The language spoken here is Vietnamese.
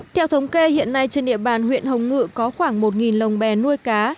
theo thống kê hiện nay trên địa bàn huyện hồng ngự có khoảng một lồng bè nuôi cá